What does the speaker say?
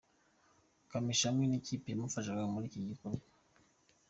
Kamichi hamwe n'ikipe yamufashaga muri iki gikorwa.